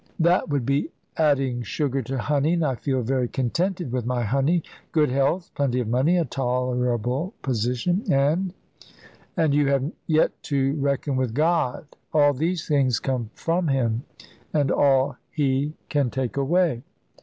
"That would be adding sugar to honey, and I feel very contented with my honey. Good health, plenty of money, a tolerable position, and " "And you have yet to reckon with God. All these things come from Him, and all He can take away."